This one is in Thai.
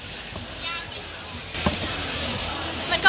ค่ะค่อนข้างยาก